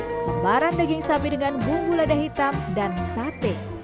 lembaran daging sapi dengan bumbu lada hitam dan sate